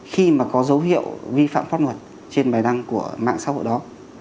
khi mà có dấu hiệu vi phạm pháp luật trên bài đăng của mạng xã hội đó